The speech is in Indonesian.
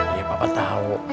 iya papa tau